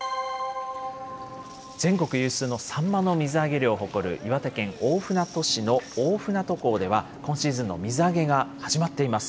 全国有数のサンマの水揚げを誇る、岩手県大船渡市の大船渡港では、今シーズンの水揚げが始まっています。